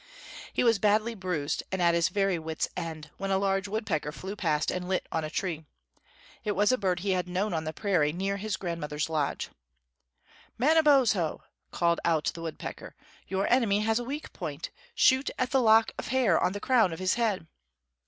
He was badly bruised and at his very wits' end, when a large woodpecker flew past and lit on a tree. It was a bird he had known on the prairie, near his grandmother's lodge. "Manabozho," called out the woodpecker, "your enemy has a weak point; shoot at the lock of hair on the crown of his head."